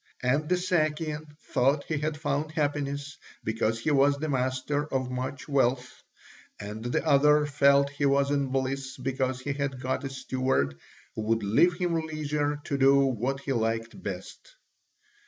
And the Sakian thought he had found happiness because he was the master of much wealth, and the other felt he was in bliss because he had got a steward who would leave him leisure to do what he liked best.